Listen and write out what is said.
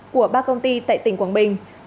của ba công ty tại tỉnh quảng bình